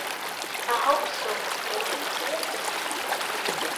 I hope so; don't you, dear?